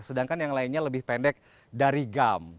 sedangkan yang lainnya lebih pendek dari gam